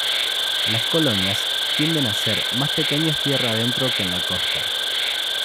Las colonias tienden a ser más pequeñas tierra adentro que en la costa.